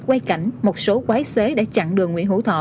quay cảnh một số quái xế đã chặn đường nguyễn hữu thọ